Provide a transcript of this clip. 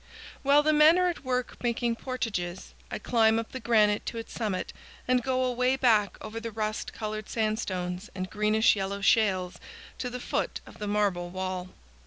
While the men are at work making portages I climb up the granite to its summit and go away back over the rust colored sandstones and greenish yellow shales to the foot of the marble wall.